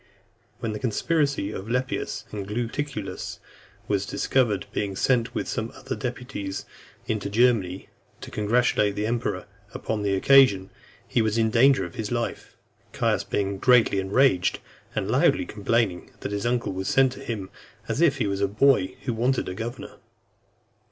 When the conspiracy of Lepidus and Gaetulicus was discovered, being sent with some other deputies into Germany , to congratulate the emperor upon the occasion, he was in danger of his life; Caius being greatly enraged, and loudly complaining, that his uncle was sent to him, as if he was a boy who wanted a governor.